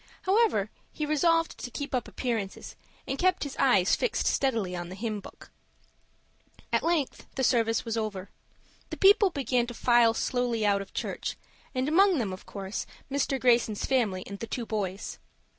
However, he resolved to keep up appearances, and kept his eyes fixed steadily on the hymn book. At length the service was over. The people began to file slowly out of church, and among them, of course, Mr. Greyson's family and the two boys.